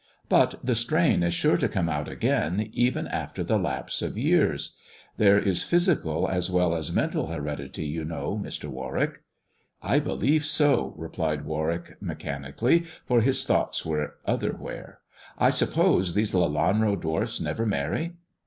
But the strain is sure to come out again, even after the lapse of years. There is physical as well as mental heredity, you know, Mr. Warwick." I believe so," replied Warwick mechanically, for his thoughts were otherwhere. "I suppose these Lelanro dwarfs never marry."